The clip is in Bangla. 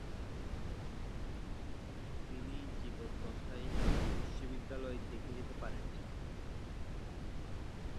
তিনি জীবদ্দশায় এই বিশ্ববিদ্যালয় দেখে যেতে পারেননি।